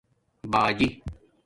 باجی